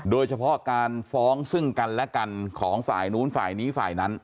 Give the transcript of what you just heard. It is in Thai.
โดยเฉพาะการฟ้องซึ่งกันและกันของฝ่ายนู้นฝ่ายนี้ฝ่ายนั้น